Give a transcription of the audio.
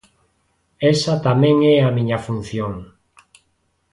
Esa tamén é a miña función.